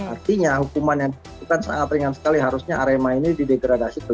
artinya hukuman yang bukan sangat ringan sekali harusnya arema ini didegradasi ke tiga